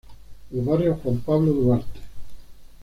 El Barrio Juan Pablo Duarte.